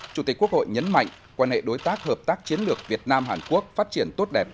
chủ tịch quốc hội nhấn mạnh quan hệ đối tác hợp tác chiến lược việt nam hàn quốc phát triển tốt đẹp